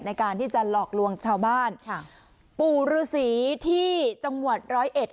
ในการที่จะหลอกลวงชาวบ้านค่ะปู่ฤษีที่จังหวัดร้อยเอ็ด